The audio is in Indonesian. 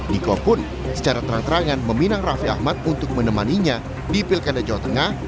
diko pun secara terang terangan meminang rafi ahmad untuk menemani dia di pilkada jawa tengah